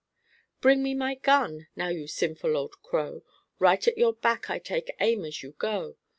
"Bring me my gun. Now you sinful old crow, Right at your back I take aim as you go.